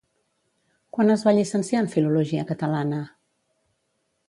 Quan es va llicenciar en Filologia Catalana?